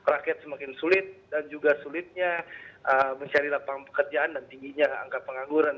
rakyat semakin sulit dan juga sulitnya mencari lapangan pekerjaan dan tingginya angka pengangguran